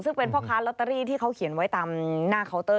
ซึ่งเป็นพ่อค้าลอตเตอรี่ที่เขาเขียนไว้ตามหน้าเคาน์เตอร์